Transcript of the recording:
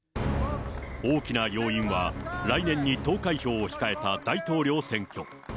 大きな要因は、来年に投開票を控えた大統領選挙。